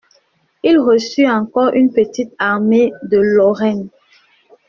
Il reçut encore une petite armée de Lorraine.